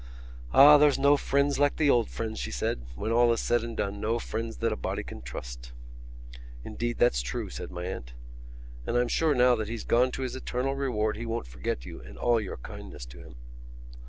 "Ah, there's no friends like the old friends," she said, "when all is said and done, no friends that a body can trust." "Indeed, that's true," said my aunt. "And I'm sure now that he's gone to his eternal reward he won't forget you and all your kindness to him."